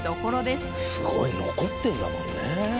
すごい。残ってんだもんね。